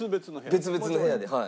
別々の部屋ではい。